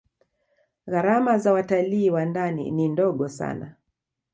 gharama za watalii wa ndani ni ndogo sana